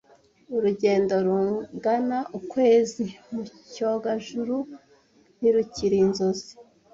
Urugendo rugana ukwezi mu cyogajuru ntirukiri inzozi.